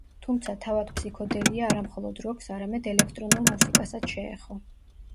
თუმცა, თავად ფსიქოდელია არა მხოლოდ როკს, არამედ ელექტრონულ მუსიკასაც შეეხო.